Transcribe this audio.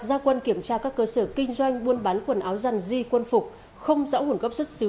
gia quân kiểm tra các cơ sở kinh doanh buôn bán quần áo dằn di quân phục không rõ nguồn gốc xuất xứ